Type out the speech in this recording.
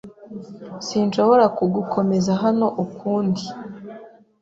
Sinshobora kugukomeza hano ukundi.